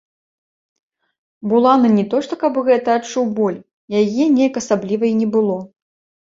Буланы не то што каб гэта адчуў боль, яе неяк асабліва і не было.